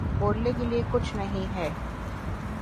بولنے کے لیے کچھ نہیں ہے